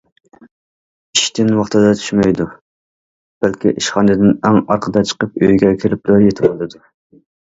ئىشتىن ۋاقتىدا چۈشمەيدۇ، بەلكى ئىشخانىدىن ئەڭ ئارقىدا چىقىپ ئۆيگە كېلىپلا يېتىۋالىدۇ.